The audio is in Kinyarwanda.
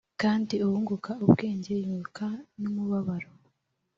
kandi uwunguka ubwenge yunguka n umubabaro